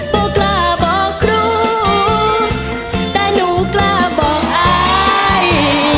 บอกกล้าบอกครูแต่หนูกล้าบอกอาย